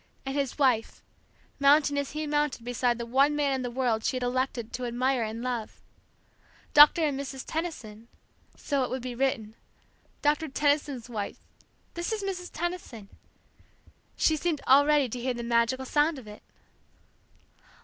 and his wife, mounting as he mounted beside the one man in the world she had elected to admire and love. "Doctor and Mrs. John Tenison " so it would be written. "Doctor Tenison's wife" "This is Mrs. Tenison" she seemed already to hear the magical sound of it!